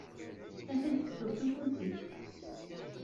Ad t-id-kkseḍ s ufus-ik.